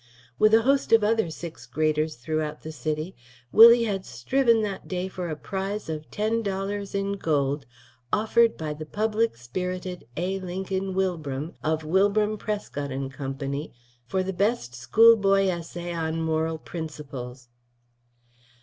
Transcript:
With a host of other sixth graders throughout the city Willie had striven that day for a prize of ten dollars in gold offered by the public spirited A. Lincoln Wilbram, of Wilbram, Prescott & Co., for the best schoolboy essay on Moral Principles.